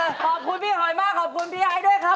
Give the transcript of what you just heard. น่ารักมากเลยขอบคุณพี่หอยมากขอบคุณพี่ไอ้ด้วยครับ